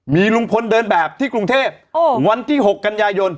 มีลุงพลเดินแบบที่กรุงเทพวันที่๖กันยายน